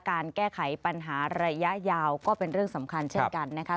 การแก้ไขปัญหาระยะยาวก็เป็นเรื่องสำคัญเช่นกันนะคะ